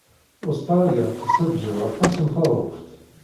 Ustṛalya tessaǧaw aṭas n taḍuft.